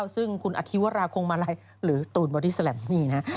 ซึ่งคุณอธิวราคงมาลัยหรือตูนบอดี้แลมนี่นะ